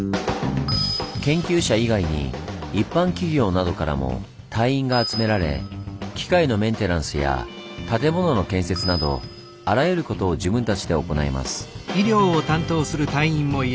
研究者以外に一般企業などからも隊員が集められ機械のメンテナンスや建物の建設などあらゆることを自分たちで行います。